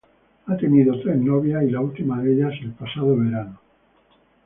Ha tenido tres novias, y la última de ellas el pasado verano.